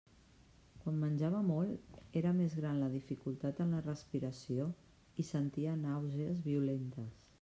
Quan menjava molt, era més gran la dificultat en la respiració i sentia nàusees violentes.